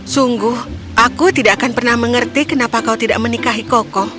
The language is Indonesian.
sungguh aku tidak akan pernah mengerti kenapa kau tidak menikahi koko